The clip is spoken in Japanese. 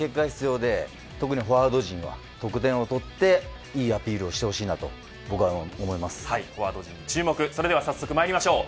特にフォワード陣は得点を取っていいアピールをしてほしいなとそれでは早速まいりましょう。